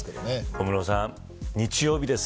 小室さん、日曜日です。